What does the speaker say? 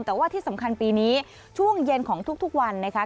แต่ว่าที่สำคัญปีนี้ช่วงเย็นของทุกวันนะคะ